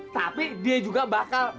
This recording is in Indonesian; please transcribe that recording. tapi dia juga bakal